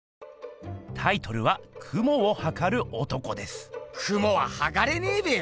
タイトルは雲は測れねえべよ！